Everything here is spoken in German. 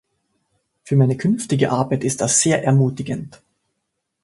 Für meine künftige Arbeit ist das sehr ermutigend.